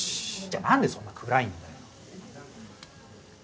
じゃあ何でそんな暗いんだよ。